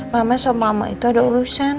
mama sama mama itu ada urusan